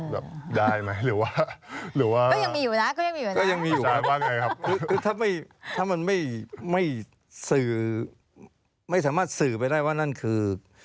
แบบได้ไหมหรือว่าก็ยังมีอยู่นะก็ยังมีอยู่ถ้ามันไม่สื่อไม่สามารถสื่อไปได้ว่านั่นคือ